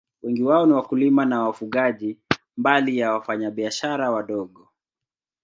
Wengi wao ni wakulima na wafugaji, mbali ya wafanyabiashara wadogo.